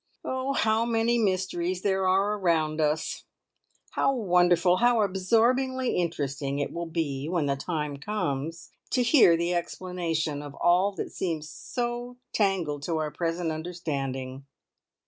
Oh, how many mysteries there are around us! How wonderful, how absorbingly interesting it will be, when the time comes, to hear the explanation of all that seems so tangled to our present understanding!